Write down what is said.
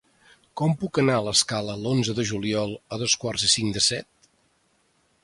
Com puc anar a l'Escala l'onze de juliol a dos quarts i cinc de set?